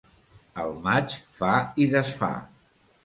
El maig fa i desfà.